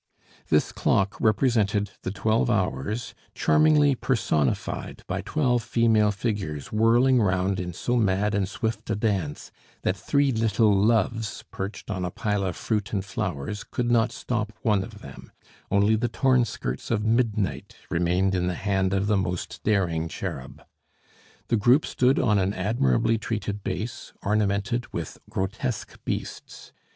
This clock represented the twelve Hours, charmingly personified by twelve female figures whirling round in so mad and swift a dance that three little Loves perched on a pile of fruit and flowers could not stop one of them; only the torn skirts of Midnight remained in the hand of the most daring cherub. The group stood on an admirably treated base, ornamented with grotesque beasts.